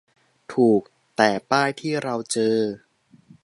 ถูก แต่ป้ายที่เราเจอ